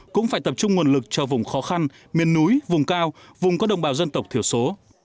cũng phải tập trung nguồn lực cho vùng khó khăn miền núi vùng cao vùng có đồng bào dân tộc thiểu số